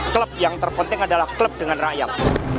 klub yang terpenting adalah klub dengan rakyat